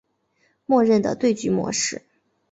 默认的对局模式。